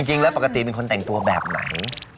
จริงแล้วปกติเป็นคนแต่งตัวแบบไหน